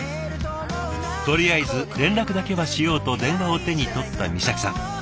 とりあえず連絡だけはしようと電話を手に取った美咲さん。